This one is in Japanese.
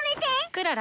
クララ。